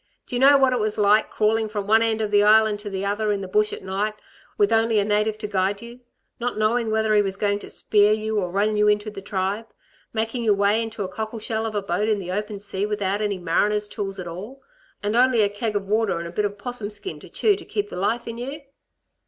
Do y' know what it was like, crawling from one end of the Island to the other in the bush at night with only a native to guide you ... not knowing whether he was going to spear you, or run you into the tribe ... making your way in a cockle shell of a boat in the open sea without any mariner's tools at all, and only a keg of water and a bit of 'possum skin to chew to keep the life in you?